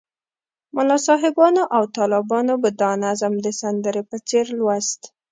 ملا صاحبانو او طالبانو به دا نظم د سندرې په څېر لوست.